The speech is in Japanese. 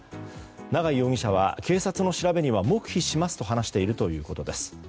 永井容疑者は、警察の調べには黙秘しますと話しているということです。